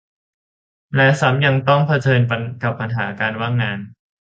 และซ้ำยังต้องเผขิญกับปัญหาการว่างงาน